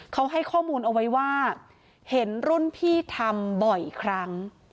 เขาให้ข้อมูลเอาไว้ว่าเห็นรุ่นพี่ทำบ่อยครั้ง